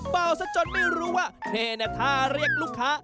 เบาซะจนไม่รู้ว่าเทรนเนอร์ท่าเรียกลูกค้า